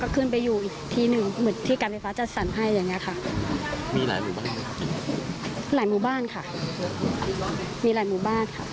คุณผู้ชมครับ